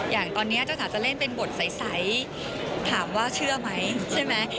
อย่างตอนนี้เจ้าจ๋าจะเล่นเป็นบทใสถามว่าเชื่อไหมใช่ไหม